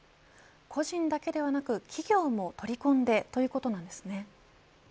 個人だけではなく企業も取り込んでそうなんですね。